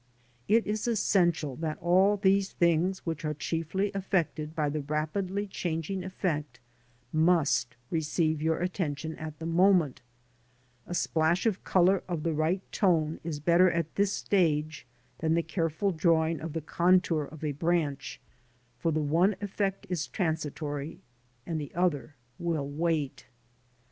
It is essential that all these things which are chiefly affected by the rapidly changing effect must receive your attention at the moment, a splash of colour of the right tone is better at this stage than the careful drawing of the contour of a branch, for the one effect is transitory and the other will wait.